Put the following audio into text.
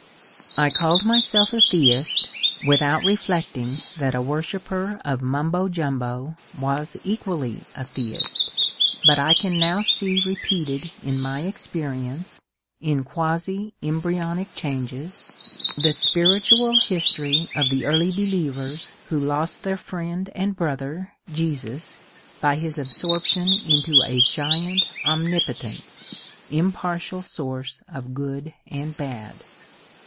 I called myself a theist without reflecting that a worshipper of Mumbo Jumbo was equally a theist. But I can now see repeated in my ex perience, in quasi embryonic changes, the spiritual history of the early believers who lost their friend and brother, Jesus, by his absorption into a giant Omnipotence, — impartial source of good and bad.